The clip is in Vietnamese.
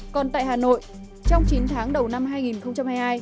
còn tại hà nội trong chín tháng đầu năm hai nghìn hai mươi hai